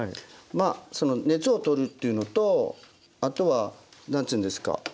熱を取るっていうのとあとは何つうんですか